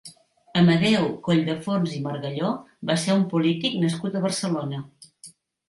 Amadeu Colldeforns i Margalló va ser un polític nascut a Barcelona.